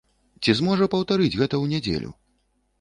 Ці зможа паўтарыць гэта ў нядзелю?